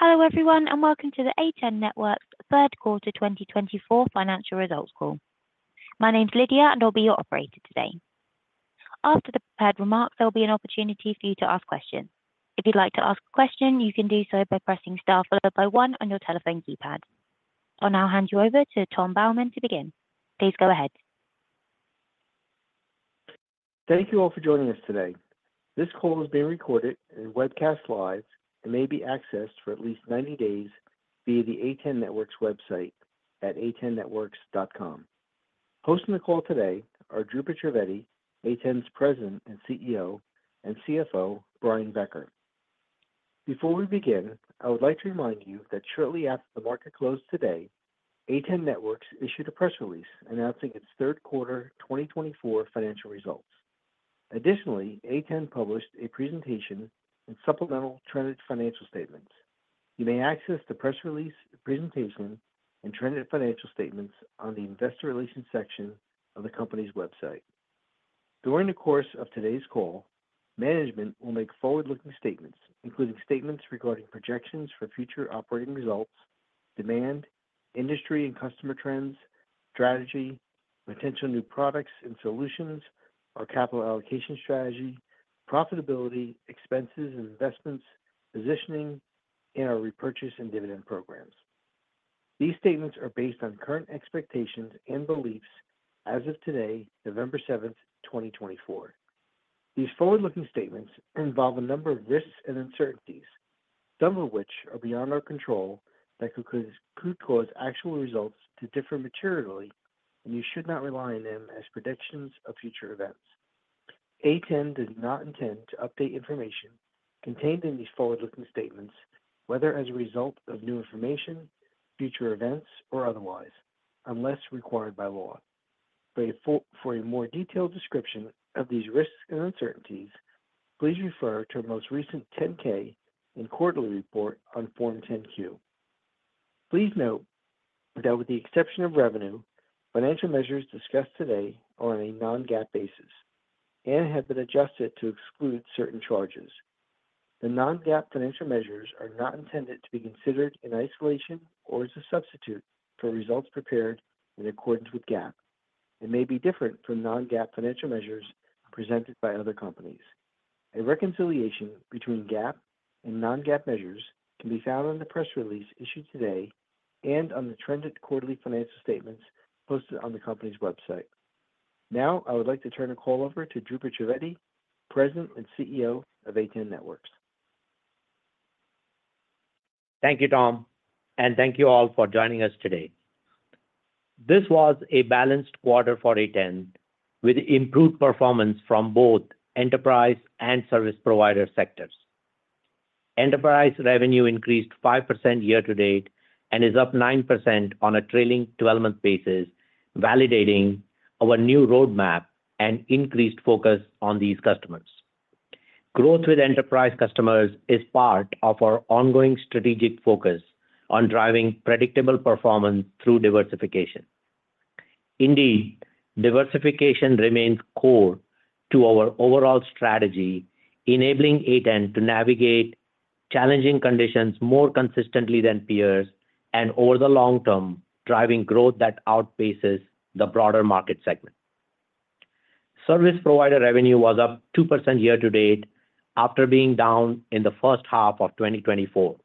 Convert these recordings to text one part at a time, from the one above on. Hello everyone and welcome to the A10 Networks third quarter 2024 financial results call. My name's Lydia and I'll be your operator today. After the prepared remarks, there'll be an opportunity for you to ask questions. If you'd like to ask a question, you can do so by pressing star followed by one on your telephone keypad. I'll now hand you over to Tom Baumann to begin. Please go ahead. Thank you all for joining us today. This call is being recorded and webcast live and may be accessed for at least 90 days via the A10 Networks website at a10networks.com. Hosting the call today are Dhrupad Trivedi, A10's President and CEO, and CFO Brian Becker. Before we begin, I would like to remind you that shortly after the market closed today, A10 Networks issued a press release announcing its third quarter 2024 financial results. Additionally, A10 published a presentation and supplemental Trended Financial Statements. You may access the press release, presentation, and Trended Financial Statements on the Investor Relations section of the company's website. During the course of today's call, management will make forward-looking statements, including statements regarding projections for future operating results, demand, industry and customer trends, strategy, potential new products and solutions, our capital allocation strategy, profitability, expenses and investments, positioning, and our repurchase and dividend programs. These statements are based on current expectations and beliefs as of today, November 7th, 2024. These forward-looking statements involve a number of risks and uncertainties, some of which are beyond our control that could cause actual results to differ materially, and you should not rely on them as predictions of future events. A10 does not intend to update information contained in these forward-looking statements, whether as a result of new information, future events, or otherwise, unless required by law. For a more detailed description of these risks and uncertainties, please refer to our most recent 10-K and quarterly report on Form 10-Q. Please note that with the exception of revenue, financial measures discussed today are on a non-GAAP basis and have been adjusted to exclude certain charges. The non-GAAP financial measures are not intended to be considered in isolation or as a substitute for results prepared in accordance with GAAP and may be different from non-GAAP financial measures presented by other companies. A reconciliation between GAAP and non-GAAP measures can be found on the press release issued today and on the Trended Quarterly Financial Statements posted on the company's website. Now, I would like to turn the call over to Dhrupad Trivedi, President and CEO of A10 Networks. Thank you, Tom, and thank you all for joining us today. This was a balanced quarter for A10 with improved performance from both enterprise and service provider sectors. Enterprise revenue increased 5% year to date and is up 9% on a trailing 12-month basis, validating our new roadmap and increased focus on these customers. Growth with enterprise customers is part of our ongoing strategic focus on driving predictable performance through diversification. Indeed, diversification remains core to our overall strategy, enabling A10 to navigate challenging conditions more consistently than peers and, over the long term, driving growth that outpaces the broader market segment. Service provider revenue was up 2% year to date after being down in the first half of 2024.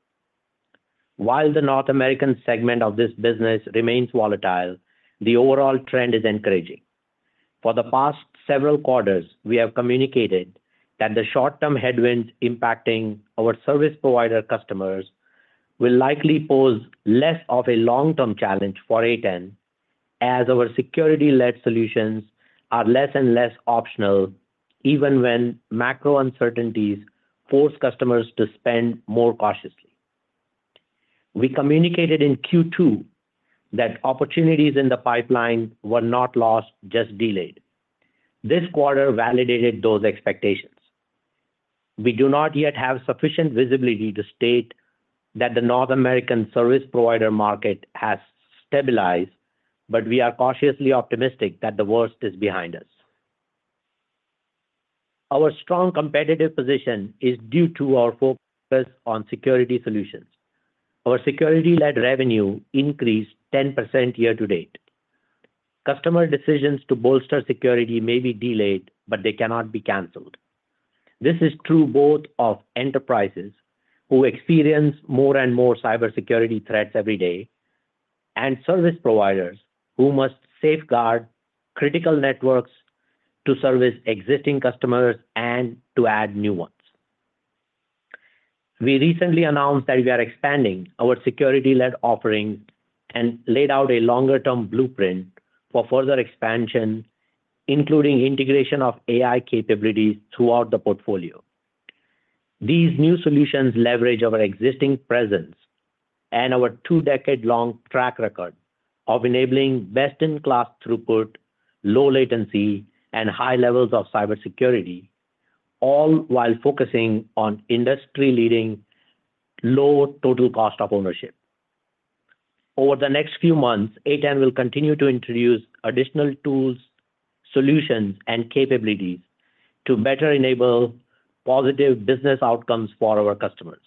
While the North American segment of this business remains volatile, the overall trend is encouraging. For the past several quarters, we have communicated that the short-term headwinds impacting our service provider customers will likely pose less of a long-term challenge for A10, as our security-led solutions are less and less optional, even when macro uncertainties force customers to spend more cautiously. We communicated in Q2 that opportunities in the pipeline were not lost, just delayed. This quarter validated those expectations. We do not yet have sufficient visibility to state that the North American service provider market has stabilized, but we are cautiously optimistic that the worst is behind us. Our strong competitive position is due to our focus on security solutions. Our security-led revenue increased 10% year to date. Customer decisions to bolster security may be delayed, but they cannot be canceled. This is true both of enterprises who experience more and more cybersecurity threats every day and service providers who must safeguard critical networks to service existing customers and to add new ones. We recently announced that we are expanding our security-led offering and laid out a longer-term blueprint for further expansion, including integration of AI capabilities throughout the portfolio. These new solutions leverage our existing presence and our two-decade-long track record of enabling best-in-class throughput, low latency, and high levels of cybersecurity, all while focusing on industry-leading low total cost of ownership. Over the next few months, A10 will continue to introduce additional tools, solutions, and capabilities to better enable positive business outcomes for our customers.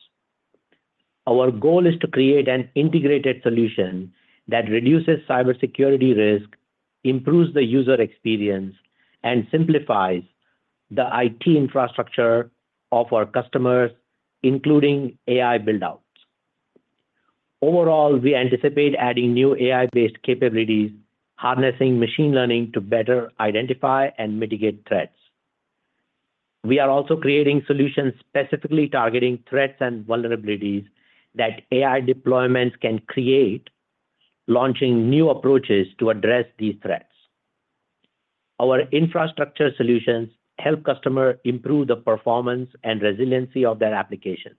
Our goal is to create an integrated solution that reduces cybersecurity risk, improves the user experience, and simplifies the IT infrastructure of our customers, including AI buildouts. Overall, we anticipate adding new AI-based capabilities, harnessing machine learning to better identify and mitigate threats. We are also creating solutions specifically targeting threats and vulnerabilities that AI deployments can create, launching new approaches to address these threats. Our infrastructure solutions help customers improve the performance and resiliency of their applications.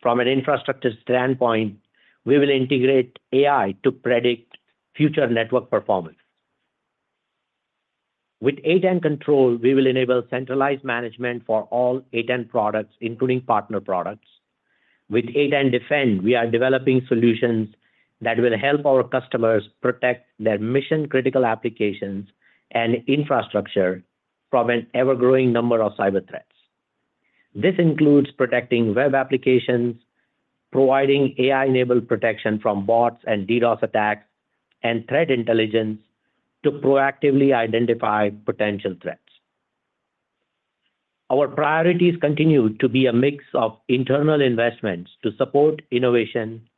From an infrastructure standpoint, we will integrate AI to predict future network performance. With A10 Control, we will enable centralized management for all A10 products, including partner products. With A10 Defend, we are developing solutions that will help our customers protect their mission-critical applications and infrastructure from an ever-growing number of cyber threats. This includes protecting web applications, providing AI-enabled protection from bots and DDoS attacks, and threat intelligence to proactively identify potential threats. Our priorities continue to be a mix of internal investments to support innovation,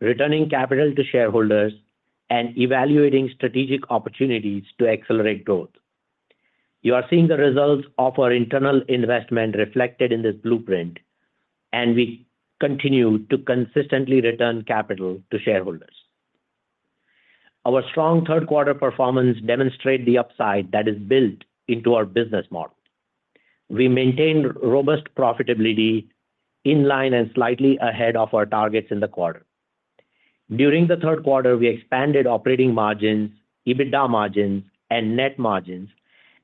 returning capital to shareholders, and evaluating strategic opportunities to accelerate growth. You are seeing the results of our internal investment reflected in this blueprint, and we continue to consistently return capital to shareholders. Our strong third-quarter performance demonstrates the upside that is built into our business model. We maintain robust profitability in line and slightly ahead of our targets in the quarter. During the third quarter, we expanded operating margins, EBITDA margins, and net margins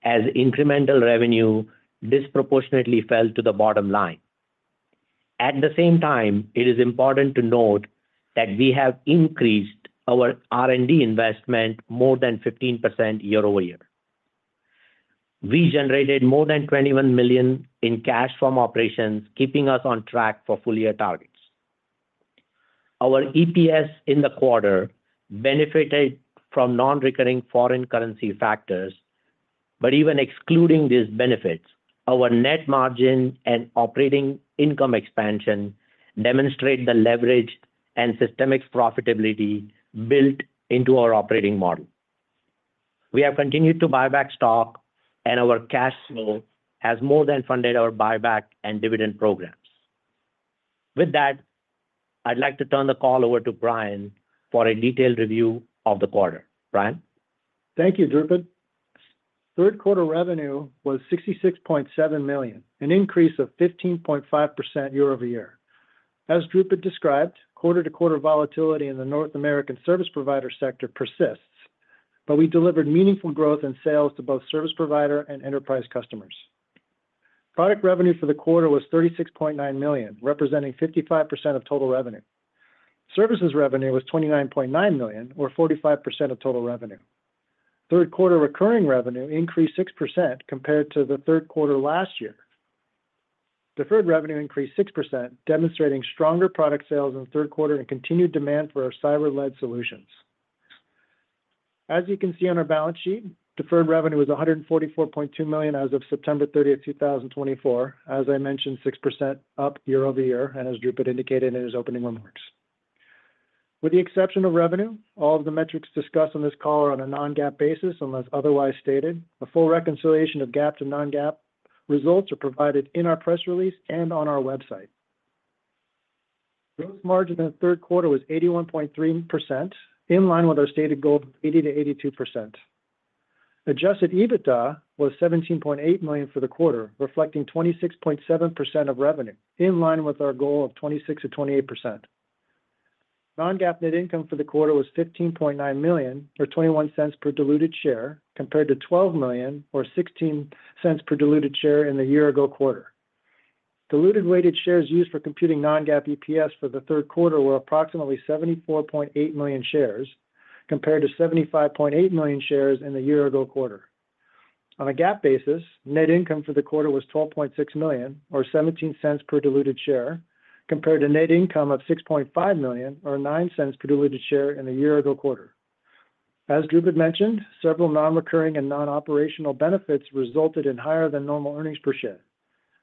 as incremental revenue disproportionately fell to the bottom line. At the same time, it is important to note that we have increased our R&D investment more than 15% year-over-year. We generated more than $21 million in cash from operations, keeping us on track for full-year targets. Our EPS in the quarter benefited from non-recurring foreign currency factors, but even excluding these benefits, our net margin and operating income expansion demonstrate the leverage and systemic profitability built into our operating model. We have continued to buy back stock, and our cash flow has more than funded our buyback and dividend programs. With that, I'd like to turn the call over to Brian for a detailed review of the quarter. Brian? Thank you, Dhrupad. Third-quarter revenue was $66.7 million, an increase of 15.5% year-over-year. As Dhrupad described, quarter-to-quarter volatility in the North American service provider sector persists, but we delivered meaningful growth in sales to both service provider and enterprise customers. Product revenue for the quarter was $36.9 million, representing 55% of total revenue. Services revenue was $29.9 million, or 45% of total revenue. Third-quarter recurring revenue increased 6% compared to the third quarter last year. Deferred revenue increased 6%, demonstrating stronger product sales in the third quarter and continued demand for our cyber-led solutions. As you can see on our balance sheet, deferred revenue was $144.2 million as of September 30th, 2024, as I mentioned, 6% up year-over-year, and as Dhrupad indicated in his opening remarks. With the exception of revenue, all of the metrics discussed on this call are on a non-GAAP basis unless otherwise stated. A full reconciliation of GAAP to non-GAAP results are provided in our press release and on our website. Gross margin in the third quarter was 81.3%, in line with our stated goal of 80%-82%. Adjusted EBITDA was $17.8 million for the quarter, reflecting 26.7% of revenue, in line with our goal of 26%-28%. Non-GAAP net income for the quarter was $15.9 million, or $0.21 per diluted share, compared to $12 million, or $0.16 per diluted share in the year-ago quarter. Diluted weighted shares used for computing non-GAAP EPS for the third quarter were approximately 74.8 million shares, compared to 75.8 million shares in the year-ago quarter. On a GAAP basis, net income for the quarter was $12.6 million, or $0.17 per diluted share, compared to net income of $6.5 million, or $0.09 per diluted share in the year-ago quarter. As Dhrupad mentioned, several non-recurring and non-operational benefits resulted in higher-than-normal earnings per share.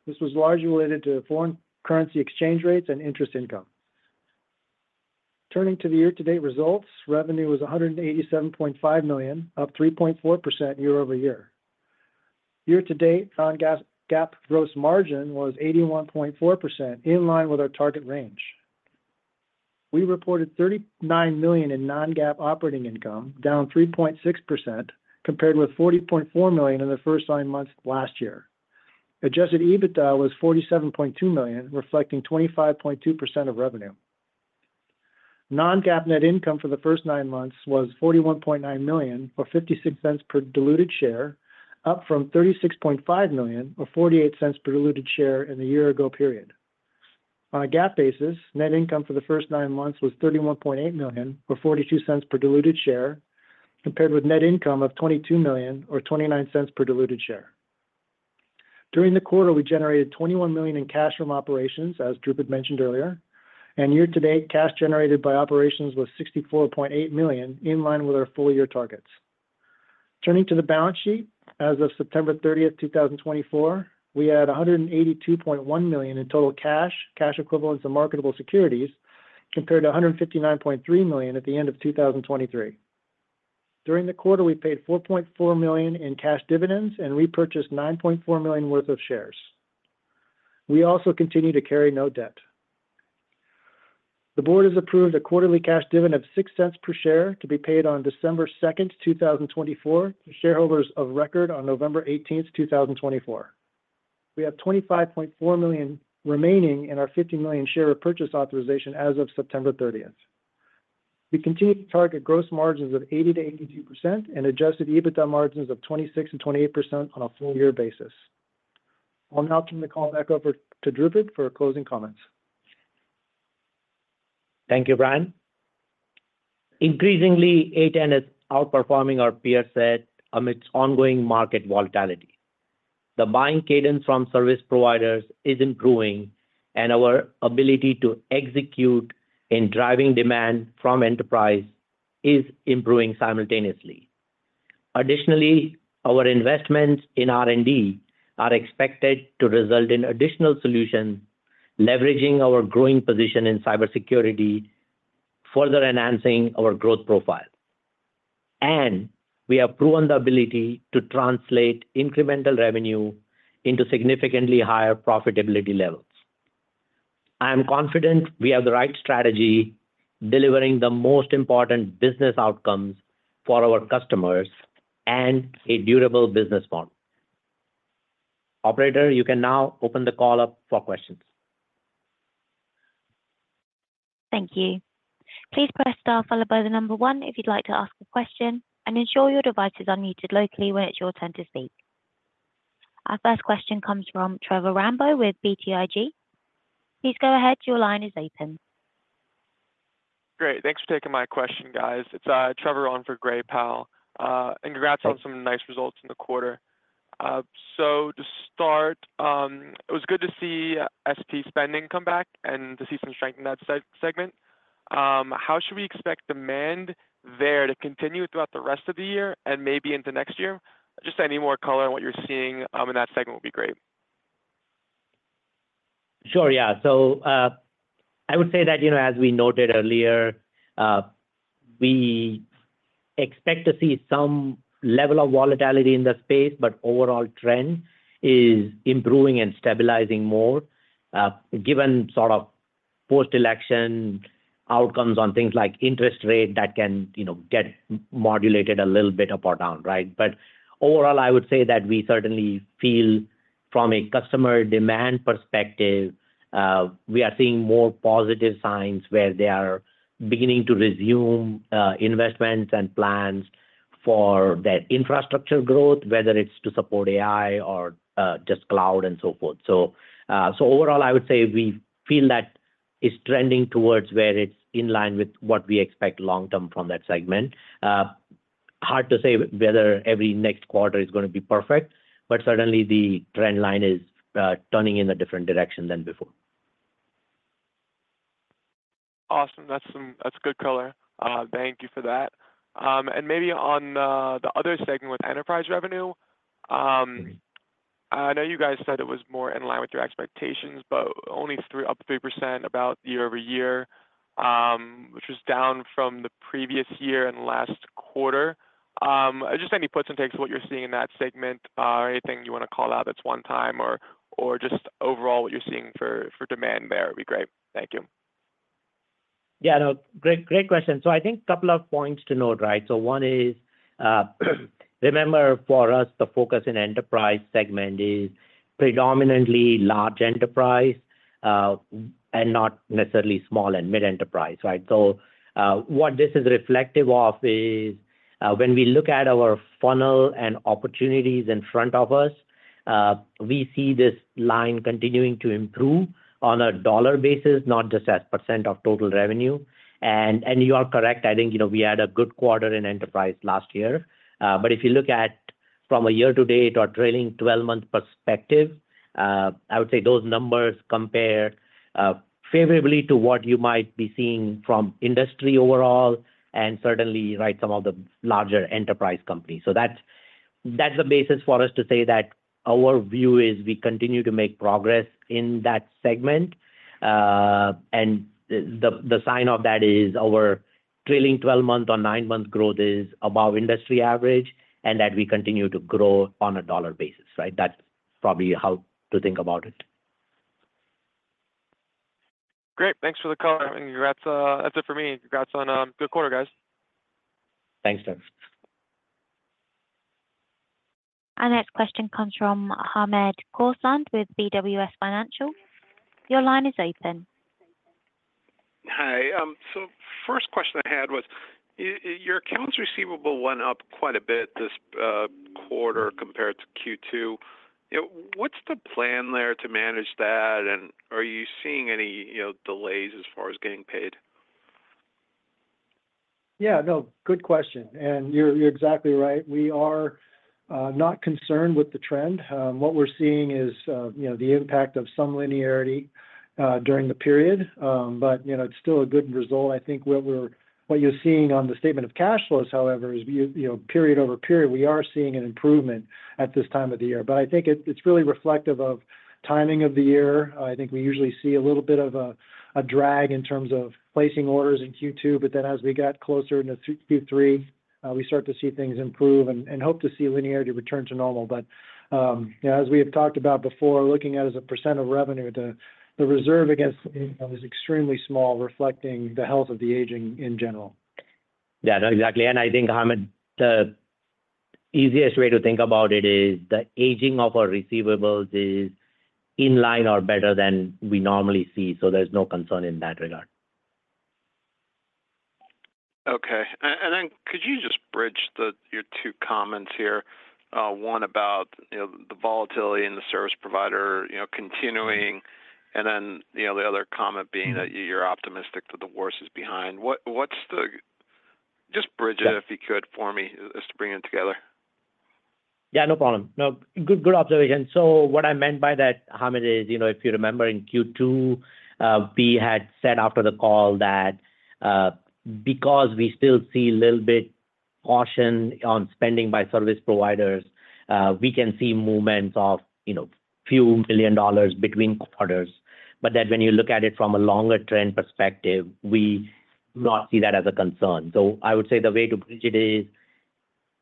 This was largely related to foreign currency exchange rates and interest income. Turning to the year-to-date results, revenue was $187.5 million, up 3.4% year-over-year. Year-to-date non-GAAP gross margin was 81.4%, in line with our target range. We reported $39 million in non-GAAP operating income, down 3.6%, compared with $40.4 million in the first nine months last year. Adjusted EBITDA was $47.2 million, reflecting 25.2% of revenue. Non-GAAP net income for the first nine months was $41.9 million, or $0.56 per diluted share, up from $36.5 million, or $0.48 per diluted share in the year-ago period. On a GAAP basis, net income for the first nine months was $31.8 million, or $0.42 per diluted share, compared with net income of $22 million, or $0.29 per diluted share. During the quarter, we generated $21 million in cash from operations, as Dhrupad mentioned earlier, and year-to-date cash generated by operations was $64.8 million, in line with our full-year targets. Turning to the balance sheet, as of September 30th, 2024, we had $182.1 million in total cash, cash equivalents, and marketable securities, compared to $159.3 million at the end of 2023. During the quarter, we paid $4.4 million in cash dividends and repurchased $9.4 million worth of shares. We also continue to carry no debt. The board has approved a quarterly cash dividend of $0.06 per share to be paid on December 2nd, 2024, to shareholders of record on November 18th, 2024. We have $25.4 million remaining in our $50 million share repurchase authorization as of September 30th. We continue to target gross margins of 80%-82% and adjusted EBITDA margins of 26%-28% on a full-year basis. I'll now turn the call back over to Dhrupad for closing comments. Thank you, Brian. Increasingly, A10 is outperforming our peers amidst ongoing market volatility. The buying cadence from service providers is improving, and our ability to execute in driving demand from enterprise is improving simultaneously. Additionally, our investments in R&D are expected to result in additional solutions, leveraging our growing position in cybersecurity, further enhancing our growth profile, and we have proven the ability to translate incremental revenue into significantly higher profitability levels. I am confident we have the right strategy, delivering the most important business outcomes for our customers and a durable business model. Operator, you can now open the call up for questions. Thank you. Please press star followed by the number one if you'd like to ask a question, and ensure your device is unmuted locally when it's your turn to speak. Our first question comes from Trevor Rambo with BTIG. Please go ahead. Your line is open. Great. Thanks for taking my question, guys. It's Trevor on for Gray Powell. And congrats on some nice results in the quarter. So to start, it was good to see SP spending come back and to see some strength in that segment. How should we expect demand there to continue throughout the rest of the year and maybe into next year? Just any more color on what you're seeing in that segment would be great. Sure, yeah. So I would say that, as we noted earlier, we expect to see some level of volatility in the space, but overall trend is improving and stabilizing more, given sort of post-election outcomes on things like interest rate that can get modulated a little bit up or down, right? But overall, I would say that we certainly feel, from a customer demand perspective, we are seeing more positive signs where they are beginning to resume investments and plans for that infrastructure growth, whether it's to support AI or just cloud and so forth. So overall, I would say we feel that it's trending towards where it's in line with what we expect long-term from that segment. Hard to say whether every next quarter is going to be perfect, but certainly the trend line is turning in a different direction than before. Awesome. That's good color. Thank you for that. And maybe on the other segment with enterprise revenue, I know you guys said it was more in line with your expectations, but only up 3% about year-over-year, which was down from the previous year and last quarter. Just any puts and takes of what you're seeing in that segment, or anything you want to call out that's one-time, or just overall what you're seeing for demand there would be great. Thank you. Yeah, no, great question. So I think a couple of points to note, right? So one is, remember for us, the focus in enterprise segment is predominantly large enterprise and not necessarily small and mid-enterprise, right? So what this is reflective of is when we look at our funnel and opportunities in front of us, we see this line continuing to improve on a dollar basis, not just as percent of total revenue. And you are correct. I think we had a good quarter in enterprise last year. But if you look at from a year-to-date or trailing 12-month perspective, I would say those numbers compare favorably to what you might be seeing from industry overall and certainly, right, some of the larger enterprise companies. So that's the basis for us to say that our view is we continue to make progress in that segment. And the sign of that is our trailing 12-month or 9-month growth is above industry average, and that we continue to grow on a dollar basis, right? That's probably how to think about it. Great. Thanks for the color. And that's it for me. Congrats on a good quarter, guys. Thanks, Trevor. Our next question comes from Hamed Khorsand with BWS Financial. Your line is open. Hi. So first question I had was your accounts receivable went up quite a bit this quarter compared to Q2. What's the plan there to manage that? And are you seeing any delays as far as getting paid? Yeah, no, good question. And you're exactly right. We are not concerned with the trend. What we're seeing is the impact of some linearity during the period, but it's still a good result. I think what you're seeing on the statement of cash flows, however, is period over period, we are seeing an improvement at this time of the year. But I think it's really reflective of timing of the year. I think we usually see a little bit of a drag in terms of placing orders in Q2, but then as we got closer into Q3, we start to see things improve and hope to see linearity return to normal. But as we have talked about before, looking at it as a percent of revenue, the reserve against is extremely small, reflecting the health of the aging in general. Yeah, no, exactly. And I think the easiest way to think about it is the aging of our receivables is in line or better than we normally see. So there's no concern in that regard. Okay, and then could you just bridge your two comments here? One about the volatility in the service provider continuing, and then the other comment being that you're optimistic that the worst is behind. Just bridge it if you could for me just to bring it together. Yeah, no problem. No, good observation. So what I meant by that, Hamed, is if you remember in Q2, we had said after the call that because we still see a little bit caution on spending by service providers, we can see movements of a few million dollars between quarters. But that when you look at it from a longer-term perspective, we do not see that as a concern. So I would say the way to bridge it is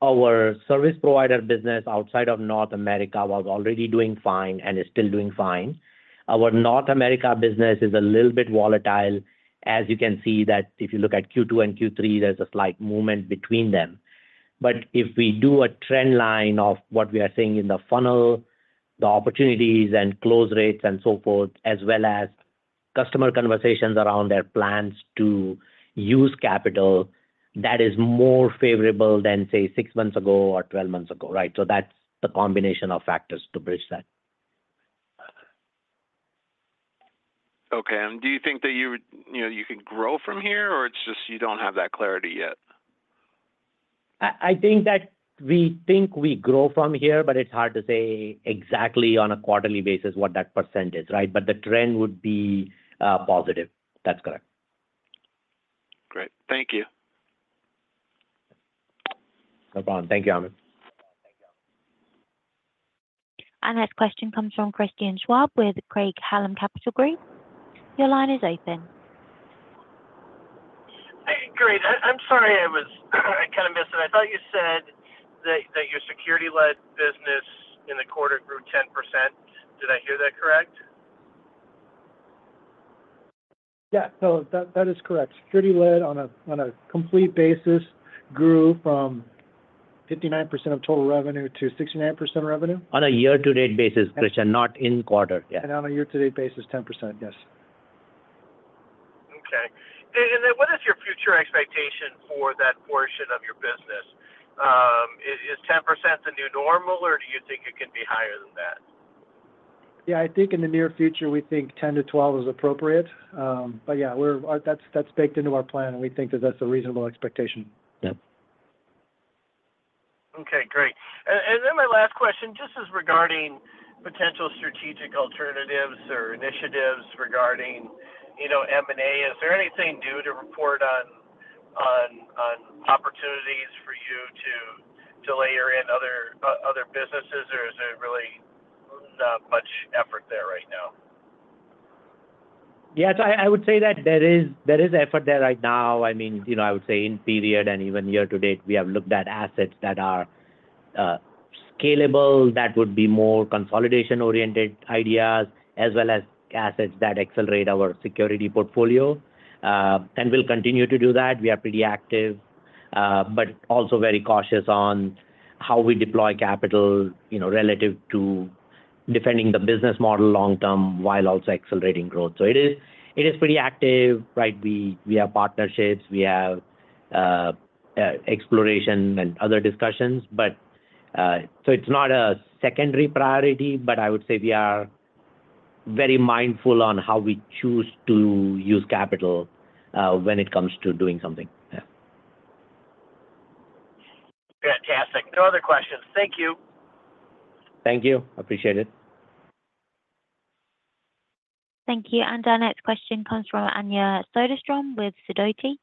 our service provider business outside of North America was already doing fine and is still doing fine. Our North America business is a little bit volatile, as you can see that if you look at Q2 and Q3, there's a slight movement between them. but if we do a trend line of what we are seeing in the funnel, the opportunities and close rates and so forth, as well as customer conversations around their plans to use capital, that is more favorable than, say, six months ago or 12 months ago, right, so that's the combination of factors to bridge that. Okay. And do you think that you can grow from here, or it's just you don't have that clarity yet? I think that we think we grow from here, but it's hard to say exactly on a quarterly basis what that percent is, right? But the trend would be positive. That's correct. Great. Thank you. No problem. Thank you, Hamed. Our next question comes from Christian Schwab with Craig-Hallum Capital Group. Your line is open. Hey, great. I'm sorry I kind of missed it. I thought you said that your security-led business in the quarter grew 10%. Did I hear that correct? Yeah. So that is correct. Security-led on a complete basis grew from 59% of total revenue to 69% revenue. On a year-to-date basis, Christian, not in quarter. Yeah. On a year-to-date basis, 10%, yes. Okay. And then what is your future expectation for that portion of your business? Is 10% the new normal, or do you think it can be higher than that? Yeah, I think in the near future, we think 10%-12% is appropriate. But yeah, that's baked into our plan, and we think that that's a reasonable expectation. Okay, great. And then my last question, just as regarding potential strategic alternatives or initiatives regarding M&A, is there anything due to report on opportunities for you to layer in other businesses, or is there really not much effort there right now? Yeah, I would say that there is effort there right now. I mean, I would say in period and even year-to-date, we have looked at assets that are scalable that would be more consolidation-oriented ideas, as well as assets that accelerate our security portfolio. And we'll continue to do that. We are pretty active, but also very cautious on how we deploy capital relative to defending the business model long-term while also accelerating growth. So it is pretty active, right? We have partnerships. We have exploration and other discussions. So it's not a secondary priority, but I would say we are very mindful on how we choose to use capital when it comes to doing something. Fantastic. No other questions. Thank you. Thank you. Appreciate it. Thank you, and our next question comes from Anja Soderstrom with Sidoti.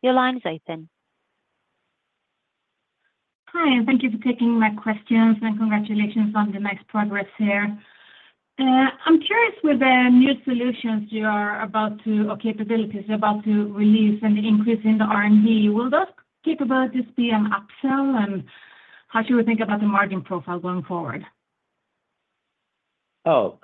Your line is open. Hi. Thank you for taking my questions, and congratulations on the nice progress here. I'm curious with the new solutions you are about to or capabilities you're about to release and the increase in the R&D, will those capabilities be an upsell? And how should we think about the margin profile going forward? Oh,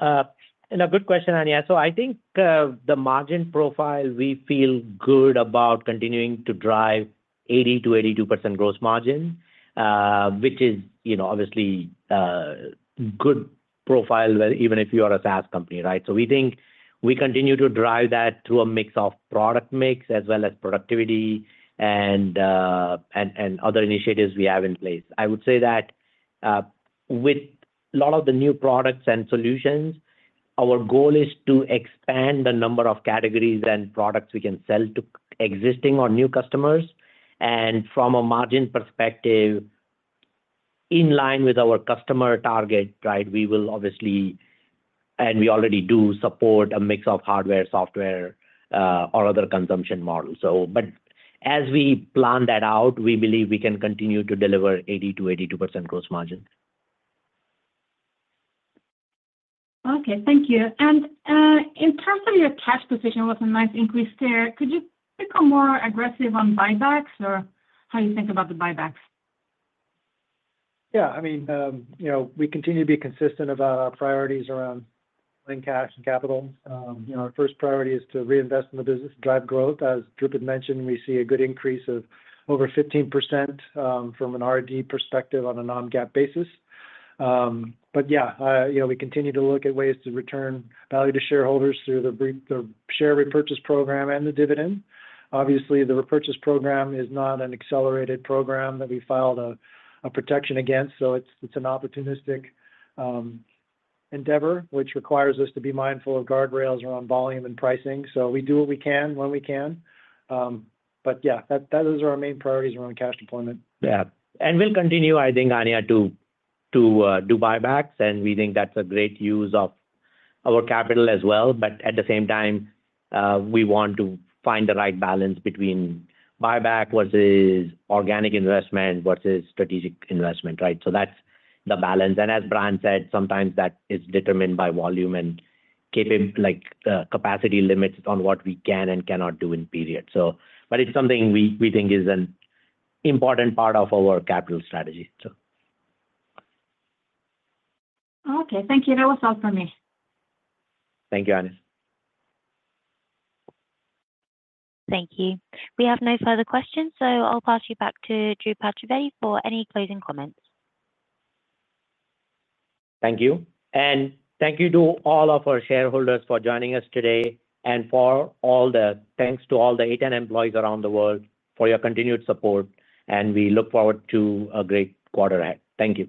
and a good question, Anja. So I think the margin profile, we feel good about continuing to drive 80%-82% gross margin, which is obviously a good profile even if you are a SaaS company, right? So we think we continue to drive that through a mix of product mix as well as productivity and other initiatives we have in place. I would say that with a lot of the new products and solutions, our goal is to expand the number of categories and products we can sell to existing or new customers. And from a margin perspective, in line with our customer target, right, we will obviously and we already do support a mix of hardware, software, or other consumption models. But as we plan that out, we believe we can continue to deliver 80%-82% gross margin. Okay. Thank you. And in terms of your cash position, with a nice increase there, could you become more aggressive on buybacks or how you think about the buybacks? Yeah. I mean, we continue to be consistent about our priorities around cash and capital. Our first priority is to reinvest in the business and drive growth. As Dhrupad mentioned, we see a good increase of over 15% from an R&D perspective on a non-GAAP basis. But yeah, we continue to look at ways to return value to shareholders through the share repurchase program and the dividend. Obviously, the repurchase program is not an accelerated program that we filed a prospectus against. So it's an opportunistic endeavor, which requires us to be mindful of guardrails around volume and pricing. So we do what we can when we can. But yeah, those are our main priorities around cash deployment. Yeah. And we'll continue, I think, Anja, to do buybacks. And we think that's a great use of our capital as well. But at the same time, we want to find the right balance between buyback versus organic investment versus strategic investment, right? So that's the balance. And as Brian said, sometimes that is determined by volume and capacity limits on what we can and cannot do in period. But it's something we think is an important part of our capital strategy, so. Okay. Thank you. That was all from me. Thank you, Anja. Thank you. We have no further questions, so I'll pass you back to Dhrupad Trivedi for any closing comments. Thank you. And thank you to all of our shareholders for joining us today. And thanks to all the A10 employees around the world for your continued support. And we look forward to a great quarter ahead. Thank you.